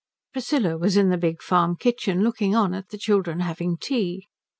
Priscilla was in the big farm kitchen, looking on at the children having tea.